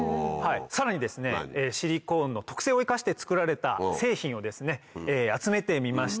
さらにですねシリコーンの特性を生かして作られた製品を集めてみました。